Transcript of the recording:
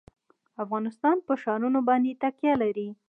افغانستان په ښارونه باندې تکیه لري.